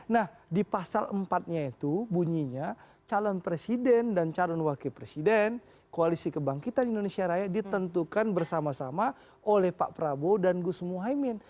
nah di pasal empat nya itu bunyinya calon presiden dan calon wakil presiden koalisi kebangkitan indonesia raya ditentukan bersama sama oleh pak prabowo dan gus muhaymin